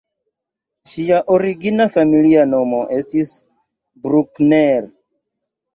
Ŝia origina familia nomo estis "Bruckner".